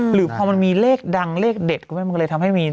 หรือพอมันมีเลขดังเลขเด็ดก็เลยทำให้มี